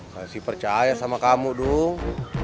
saya sih percaya sama kamu dong